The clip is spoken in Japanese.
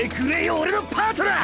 俺のパートナー！